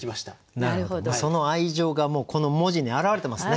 その愛情がこの文字に表れてますね。